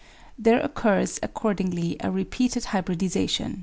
There occurs accordingly a repeated hybridisation.